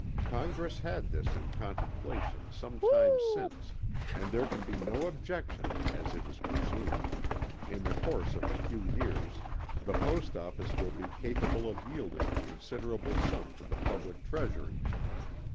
Congress had this in contemplation some time since, and there can be no objection, as it is presumed, in the course of a few years the Post Office will be capable of yielding a considerable sum to the public treasury.